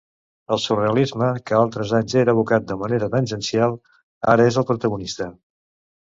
El surrealisme, que altres anys era evocat de manera tangencial, ara és el protagonista.